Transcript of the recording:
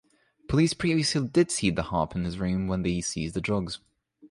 Police previously did see this harp in his room when they seized the drugs.